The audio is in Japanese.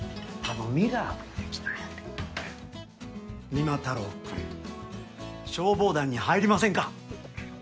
三馬太郎くん消防団に入りませんか？